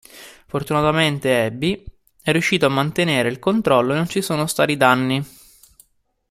Fortunatamente Abby è riuscita a mantenere il controllo e non ci sono stati danni.